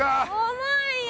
重いよ！